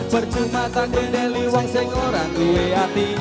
perjumah tangguh dari wang seng orang kowe hati